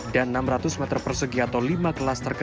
dan enam ratus meter persegi atau lima meter persegi